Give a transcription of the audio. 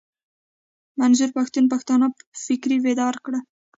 منظور پښتون پښتانه فکري بيدار کړل.